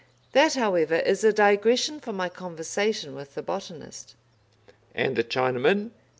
That, however, is a digression from my conversation with the botanist. "And the Chinaman?"